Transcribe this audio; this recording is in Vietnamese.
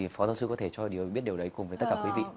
phó giáo sư có thể cho điều biết điều đấy cùng với tất cả quý vị